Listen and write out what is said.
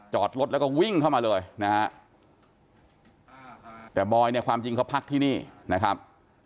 จอดรถแล้วก็วิ่งเข้ามาเลยนะฮะแต่บอยเนี่ยความจริงเขาพักที่นี่นะครับ